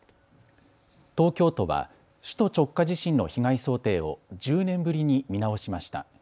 東京都は首都直下地震の被害想定を１０年ぶりに見直しました。